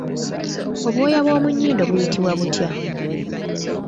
Obw'oya bw’omu nyindo buyitibwa butya?